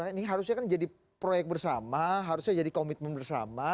ini harusnya kan jadi proyek bersama harusnya jadi komitmen bersama